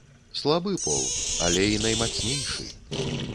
Слабы пол, але і наймацнейшы.